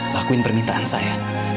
lakuin permintaan saya